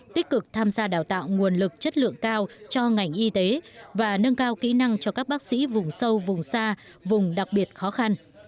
tích cực tham gia đào tạo nguồn lực chất lượng cao cho ngành y tế và nâng cao kỹ năng cho các bác sĩ vùng sâu vùng xa vùng đặc biệt khó khăn